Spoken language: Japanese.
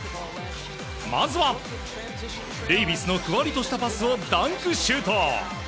まずはデイビスのふわりとしたパスをダンクシュート。